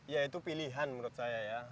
ya itu pilihan menurut saya ya